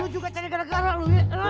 lu juga cari gara gara lu ya